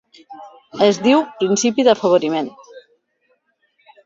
Es diu principi de d'afavoriment.